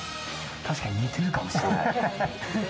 確かに似てるかもしれない。